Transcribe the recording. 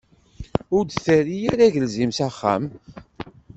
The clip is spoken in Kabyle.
Ur d-terri ara agelzim s axxam.